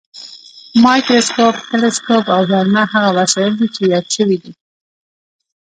مایکروسکوپ، تلسکوپ او برمه هغه وسایل دي چې یاد شوي دي.